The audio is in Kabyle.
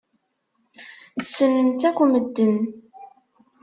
Ssnen-tt akk medden.